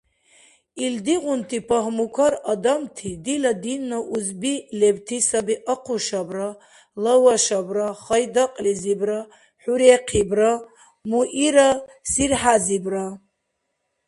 Илдигъунти пагьмукар адамти-дила динна узби лебти саби Ахъушабра, Лавашабра, Хайдакьлизибра, ХӀурехъибра, Муира-СирхӀязибра…